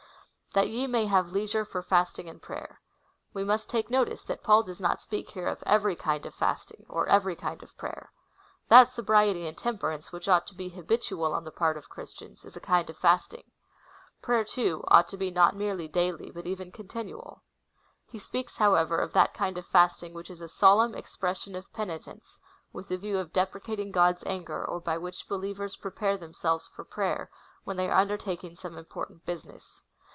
Tliat ye may have leisure for fasting and prayer. We must take notice, that Paul does not speak here of every kind oi fasting, or every kind oi prayer. That sobriety and temperance, which ought to be habitual on the part of Christians, is a kind oi fasting. Prayer, too, ought to be not merely daily, but even continual. He speaks, however, of that kind of fasting which is a solemn expression of peni tence, with the view of deprecating God's anger, or by which believers prepare themselves for p)fciy^^% when they are un dertaking some important business.